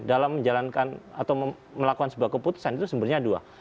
dalam menjalankan atau melakukan sebuah keputusan itu sumbernya dua